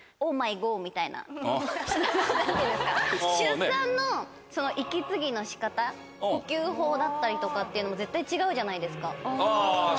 みたいな。の仕方呼吸法だったりとかっていうのも絶対違うじゃないですか。